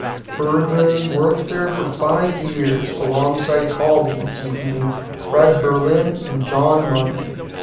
Bergman worked there for five years alongside colleagues including Fred Berlin and John Money.